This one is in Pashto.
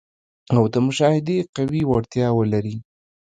او د مشاهدې قوي وړتیا ولري.